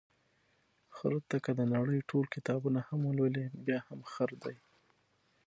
خره ته که د نړۍ ټول کتابونه هم ولولې، بیا هم خر دی.